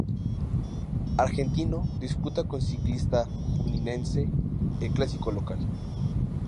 Argentino disputa con Ciclista Juninense el clásico local.